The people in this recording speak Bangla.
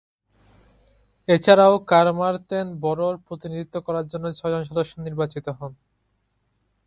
এছাড়াও কারমারথেন বরোর প্রতিনিধিত্ব করার জন্য ছয়জন সদস্য নির্বাচিত হন।